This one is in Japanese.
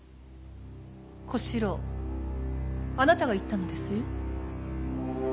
小四郎あなたが言ったのですよ。